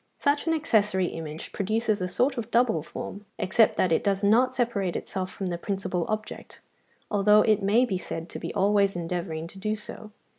Such an accessory image produces a sort of double form; except that it does not separate itself from the principal object, although it may be said to be always endeavouring to do so.